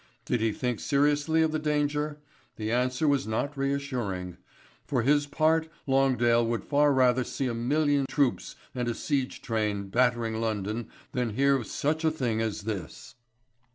Did he think seriously of the danger? The answer was not reassuring. For his part Longdale would far rather see a million of troops and a siege train battering London than hear of such a thing as this.